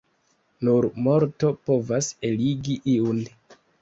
Nur morto povas eligi iun.